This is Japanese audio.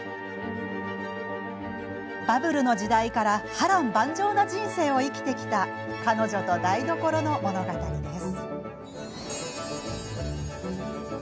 バブルの時代から波乱万丈な人生を生きてきた彼女と台所の物語です。